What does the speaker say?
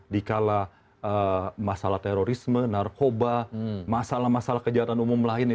dikala masalah terorisme narkoba masalah masalah kejahatan umum lainnya